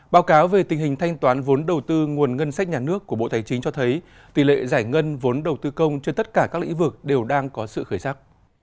báo cáo về tình hình thanh toán vốn đầu tư nguồn ngân sách nhà nước của bộ tài chính cho thấy tỷ lệ giải ngân vốn đầu tư công trên tất cả các lĩnh vực đều đang có sự khởi sắc